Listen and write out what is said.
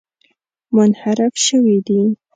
منحرف شوي دي.